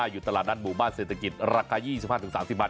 อยู่ตลาดนัดหมู่บ้านเศรษฐกิจราคา๒๕๓๐บาท